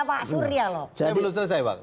pak surya loh saya belum selesai bang